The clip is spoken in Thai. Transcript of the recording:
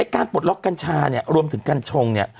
การปลดล็อกกัญชารวมถึงกัญชง